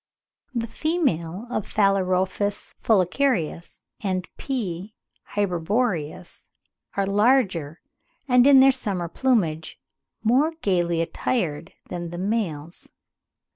The females of Phalaropus fulicarius and P. hyperboreus are larger, and in their summer plumage "more gaily attired than the males."